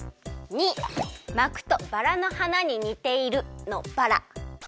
②まくとバラのはなににているのバラ。